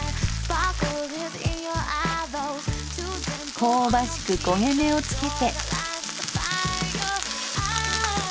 香ばしく焦げ目をつけて。